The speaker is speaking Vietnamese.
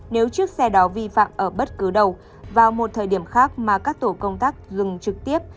nếu chiếc xe đó vi phạm ở bất cứ đâu vào một thời điểm khác mà các tổ công tác dừng trực tiếp